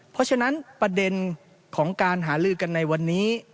เพราะฉะนั้นประเด็นของการหาลือกันในวันนี้